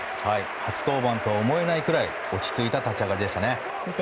初登板とは思えないくらい落ち着いた立ち上がりでしたね。